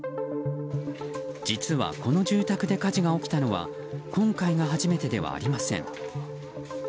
実はこの住宅で火事が起きたのは今回が初めてではありません。